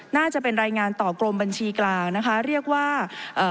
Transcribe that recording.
น่าจะเป็นรายงานต่อกรมบัญชีกลางนะคะเรียกว่าเอ่อ